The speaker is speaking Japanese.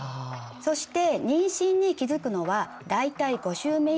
そして妊娠に気付くのは大体５週目以降。